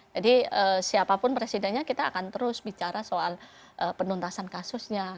jadi siapapun presidennya kita akan terus bicara soal penuntasan kasusnya